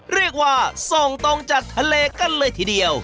เรียกว่าส่งตรงจากทะเลกันเลยทีเดียว